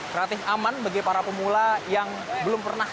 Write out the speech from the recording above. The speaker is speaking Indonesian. gratis aman bagi para pemula yang belum berpengalaman